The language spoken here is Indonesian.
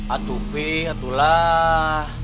atuh pi atuh lah